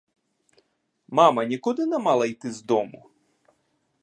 Мама нікуди не мала йти з дому?